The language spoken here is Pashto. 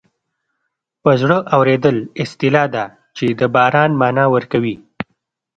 په زړه اورېدل اصطلاح ده چې د باران مانا ورکوي